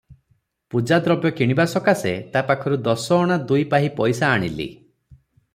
ପୂଜାଦ୍ରବ୍ୟ କିଣିବା ସକାଶେ ତା ପାଖରୁ ଦଶ ଅଣା ଦୁଇ ପାହି ପଇସା ଆଣିଲି ।